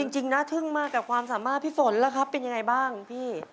จริงนะทึ่งมากกับความสามารถพี่ฝนล่ะครับเป็นยังไงบ้างพี่